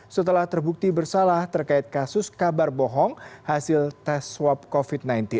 setelah terbukti bersalah terkait kasus kabar bohong hasil tes swab covid sembilan belas